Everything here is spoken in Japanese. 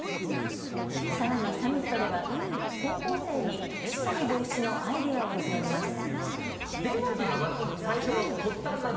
さらにサミットでは高校生に特殊詐欺防止のアイデアを募ります。